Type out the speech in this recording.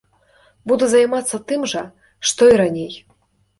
Буду займацца тым жа, што і раней.